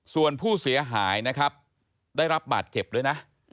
ส่วนผู้เสียหายนะครับได้รับบาดเจ็บด้วยนะ